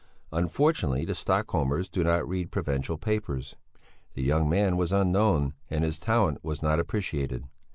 Unfortunately the Stockholmers do not read provincial papers. The young man was unknown and his talent was not appreciated.